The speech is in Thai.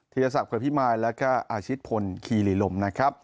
ทียาศัพท์เผื่อพี่มายแล้วก็อาชิตพลคีริลมนะครับ